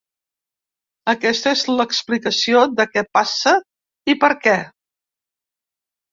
Aquesta és l’explicació de què passa i per què.